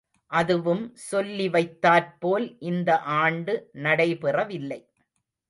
அதுவும் சொல்லிவைத்தாற்போல் இந்த ஆண்டு நடைபெறவில்லை!